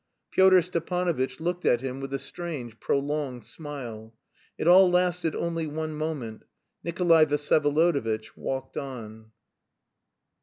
Pyotr Stepanovitch looked at him with a strange, prolonged smile. It all lasted only one moment. Nikolay Vsyevolodovitch walked on.